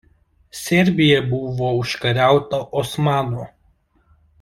Serbija buvo užkariauta Osmanų.